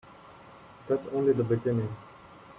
That's only the beginning.